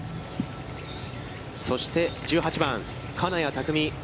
そして１８番、金谷拓実。